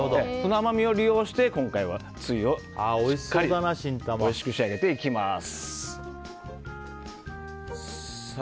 この甘みを利用して今回はつゆをしっかりおいしく仕上げていきます。